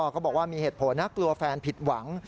ก็บอกว่ามีเหตุผลนะกลัวแฟนผิดหวัง